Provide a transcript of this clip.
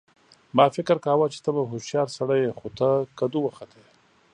ما فکر کاوه چې ته به هوښیار سړی یې خو ته کدو وختې